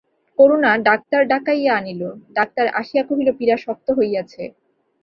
করুণা doctor ডাকাইয়া আনিল, doctor আসিয়া কহিল পীড়া শক্ত হইয়াছে।